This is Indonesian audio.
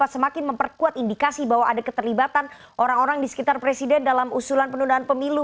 semakin memperkuat indikasi bahwa ada keterlibatan orang orang di sekitar presiden dalam usulan penundaan pemilu